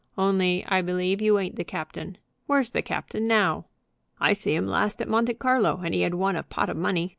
"Only I believe you ain't the captain. Where's the captain now? I see him last at Monte Carlo, and he had won a pot of money.